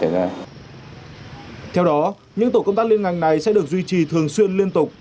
theo đó những tổ công tác liên ngành này sẽ được duy trì thường xuyên liên tục